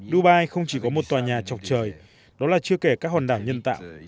dubai không chỉ có một tòa nhà chọc trời đó là chưa kể các hòn đảo nhân tạo